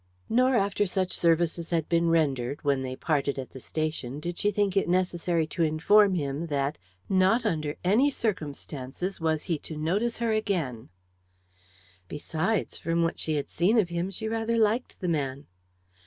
Nor, after such services had been rendered, when they parted at the station did she think it necessary to inform him that, not under any circumstances, was he to notice her again; besides, from what she had seen of him, she rather liked the man.